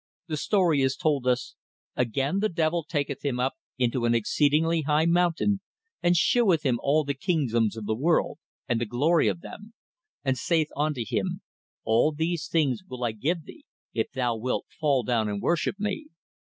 The story is told us 'Again, the devil taketh him up into an exceeding high mountain, and sheweth him all the kingdoms of the world, and the glory of them; and saith unto him, All these things will I give thee, if thou wilt fall down and worship me.'